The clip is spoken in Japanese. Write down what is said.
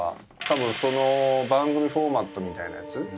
たぶんその番組フォーマットみたいなやつ？